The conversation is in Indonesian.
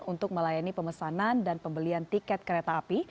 untuk melayani pemesanan dan pembelian tiket kereta api